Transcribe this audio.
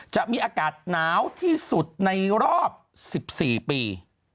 จะมีอากาศหนาวที่สุดในรอบ๑๔ปี